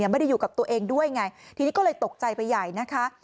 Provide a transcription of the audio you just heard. ไม่ได้อยู่กับตัวเองด้วยไงทีนี้ก็เลยตกใจไปใหญ่นะคะ